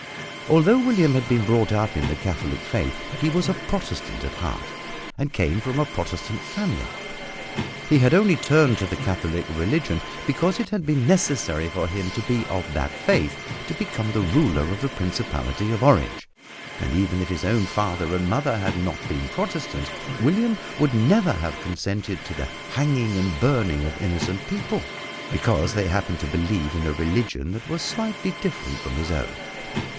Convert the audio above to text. Although William had been brought up in the Catholic faith he was a Protestant at heart, and came from a Protestant family. He had only turned to the Catholic religion because it had been necessary for him to be of that faith to become the ruler of the Principality of Orange, and even if his own father and mother had not been Protestants, William would never have consented to the hanging and burning of innocent people because they happened to believe in a religion that was slightly different from his own.